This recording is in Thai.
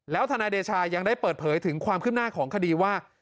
ทนายเดชายังได้เปิดเผยถึงความขึ้นหน้าของคดีว่า